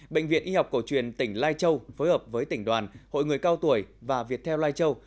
bệnh viện y học cổ truyền tỉnh lai châu phối hợp với tỉnh đoàn hội người cao tuổi và việt theo lai châu